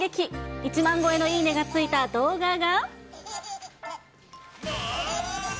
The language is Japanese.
１万超えのいいねがついた動画が。